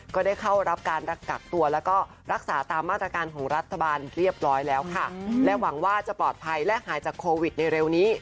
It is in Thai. ก็ได้เข้ารับการกักตัวแล้วก็รักษาตามมาตรการของรัฐบาลเรียบร้อยแล้วค่ะและหวังว่าจะปลอดภัยและหายจากโควิดในเร็วนี้